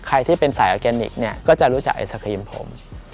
ใครที่เป็นสายออร์แกนิคเนี่ยก็จะรู้จักไอศครีมผม